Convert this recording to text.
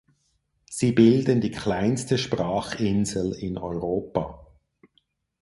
Sie bilden die kleinste Sprachinsel in Europa.